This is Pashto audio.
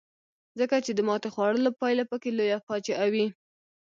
ځکه چې د ماتې خوړلو پایله پکې لویه فاجعه وي.